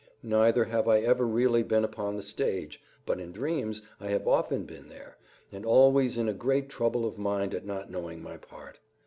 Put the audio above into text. Neither have I ever really been upon the stage, but in dreams I have often been there, and always in a great trouble of mind at not knowing my part.